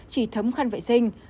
chỉ thấm khăn vệ sinh